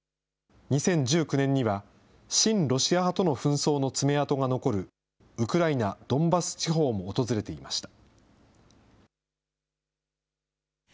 ２０１９年には、親ロシア派との紛争の爪痕が残るウクライナ・ドンバス地方も訪れていました。